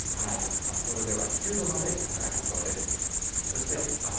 札幌では９度まで下がりそうです。